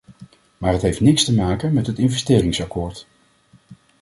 Maar het heeft niks te maken met het investeringsakkoord.